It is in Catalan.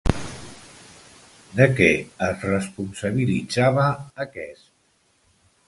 De què es responsabilitzava aquest?